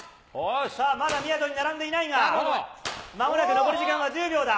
まだみやぞんに並んでいないが、まもなく残り時間は１０秒だ。